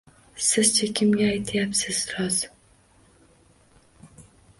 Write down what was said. Siz-chi, kimga aytayapsiz roz?